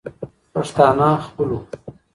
پښتانه خپلو